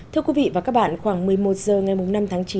thưa quý vị và các bạn khoảng một mươi một h ngày năm tháng chín